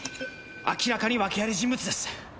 明らかに訳あり人物です。